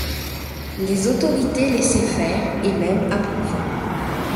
Les autorités laissaient faire, et même approuvaient.